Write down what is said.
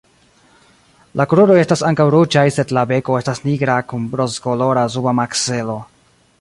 La kruroj estas ankaŭ ruĝaj sed la beko estas nigra kun rozkolora suba makzelo.